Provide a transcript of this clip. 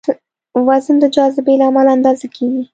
وزن د جاذبې له امله اندازه کېږي.